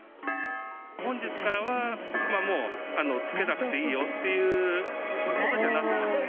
本日からは、もう着けなくていいよっていうことにはなってますね。